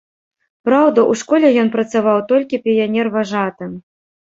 Праўда, у школе ён працаваў толькі піянерважатым.